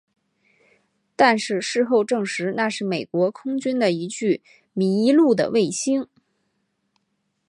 但是事后证实那是美国空军的一具迷路的卫星。